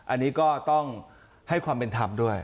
อันนี้ก็ต้องให้ความเป็นธรรมด้วย